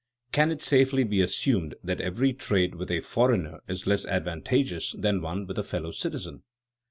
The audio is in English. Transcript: Can it safely be assumed that every trade with a foreigner is less advantageous than one with a fellow citizen?